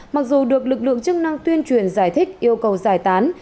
mặc dù được lực lượng chức năng tuyên truyền giải thích yêu cầu giải tán